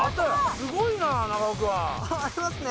すごいな長尾くんはありますね